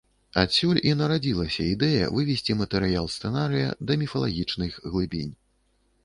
Адсюль і нарадзілася ідэя вывесці матэрыял сцэнарыя да міфалагічных глыбінь.